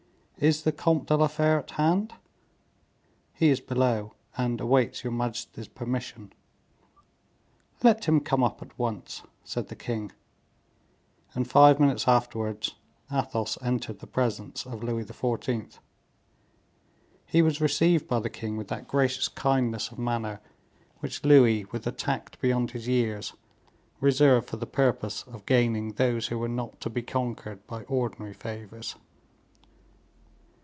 "Is the Comte de la Fere at hand?" "He is below, and awaits your majesty's permission." "Let him come up at once," said the king, and five minutes afterwards Athos entered the presence of Louis XIV. He was received by the king with that gracious kindness of manner which Louis, with a tact beyond his years, reserved for the purpose of gaining those who were not to be conquered by ordinary favors.